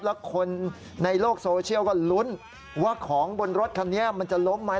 แล้วคนในโลกโซเชียลก็ลุ้นว่าของบนรถคันนี้มันจะล้มไหม